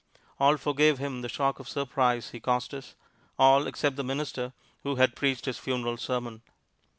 All forgave him the shock of surprise he caused us all except the minister who had preached his funeral sermon.